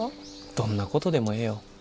どんなことでもええよ。